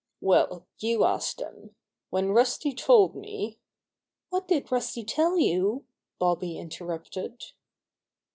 "Well^ you ask them. When Rusty told me —" "What did Rusty tell you?" Bobby inter rupted.